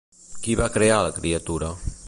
Qui va crear la criatura?